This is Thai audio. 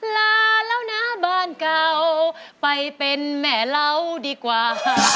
ร้านเราหน้าบ้านก้าวไปเป็นแม่เราดีกว่า